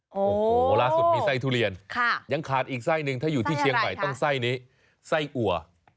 โอ้โหล่าสุดมีไส้ทุเรียนยังขาดอีกไส้หนึ่งถ้าอยู่ที่เชียงใหม่ต้องไส้นี้ไส้อัว